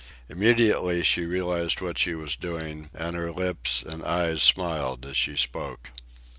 Immediately she realized what she was doing, and her lips and eyes smiled as she spoke.